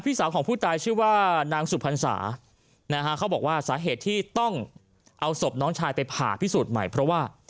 สาวของผู้ตายชื่อว่านางสุพรรษานะฮะเขาบอกว่าสาเหตุที่ต้องเอาศพน้องชายไปผ่าพิสูจน์ใหม่เพราะว่า